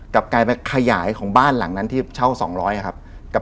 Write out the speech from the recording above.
กลายไปขยายของบ้านหลังนั้นที่เช่า๒๐๐ครับ